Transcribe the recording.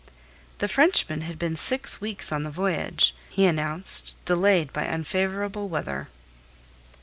The Frenchman had been six weeks on the voyage, he announced, delayed by unfavourable weather.